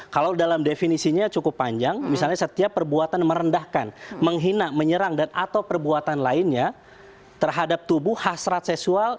kalau dalam definisinya cukup panjang misalnya setiap perbuatan merendahkan menghina menyerang dan atau perbuatan lainnya terhadap tubuh hasrat seksual